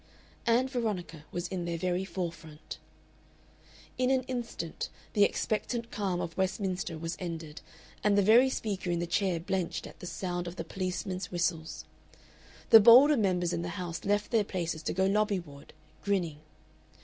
Ann Veronica was in their very forefront. In an instant the expectant calm of Westminster was ended, and the very Speaker in the chair blenched at the sound of the policemen's whistles. The bolder members in the House left their places to go lobbyward, grinning.